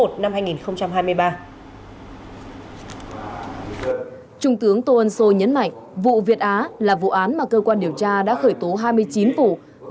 trung tướng tô ân sô nhấn mạnh vụ việt á là vụ án mà cơ quan điều tra đã khởi tố hai mươi chín vụ